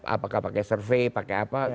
apakah pakai survei pakai apa